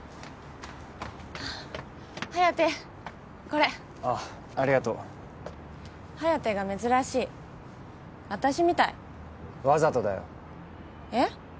これあっありがとう颯が珍しい私みたいわざとだよえっ？